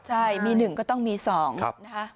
ใช่มี๑ก็ต้องมี๒นะคะ